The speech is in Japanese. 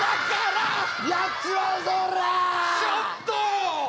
ちょっと！